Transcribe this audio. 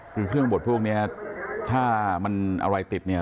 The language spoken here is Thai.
คือเครื่องบดพวกนี้ถ้ามันอะไรติดเนี่ย